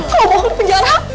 kamu bohong penjara